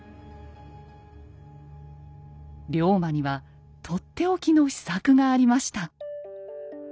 龍馬には取って置きの秘策がありました。